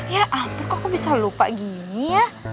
ya ampuk aku bisa lupa gini ya